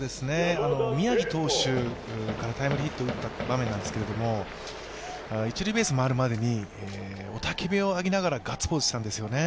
宮城投手からタイムリーヒットを打った場面なんですけれども、一塁ベースを回るまでに、雄たけびを上げながらガッツポーズしたんですよね。